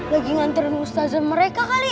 lagi nganterin mustaz mereka kali